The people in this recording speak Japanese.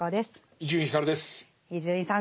伊集院さん